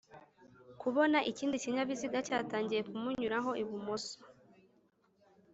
kubona ikindi kinyabiziga cyatangiye kumunyuraho ibumoso.